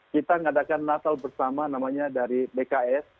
kita mengadakan natal bersama namanya dari bks